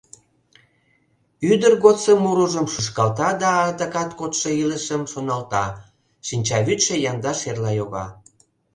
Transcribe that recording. Ӱдыр годсо мурыжым шӱшкалта да адакат кодшо илышыжым шоналта, шинчавӱдшӧ янда шерла йога.